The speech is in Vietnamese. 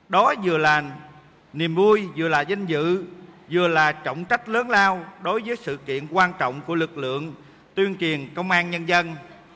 đó vừa là niềm vui vừa là danh dự vừa là trọng trách lớn lao đối với sự kiện quan trọng của lực lượng tuyên truyền công an nhân dân